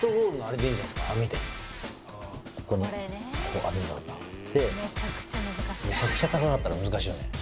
網でこのこう網があってめちゃくちゃ高かったら難しいよね